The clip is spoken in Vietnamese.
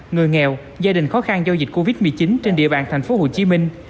người nghèo gia đình khó khăn do dịch covid một mươi chín trên địa bàn thành phố hồ chí minh